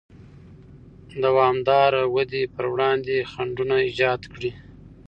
دوامداره ودې پر وړاندې خنډونه ایجاد کړي.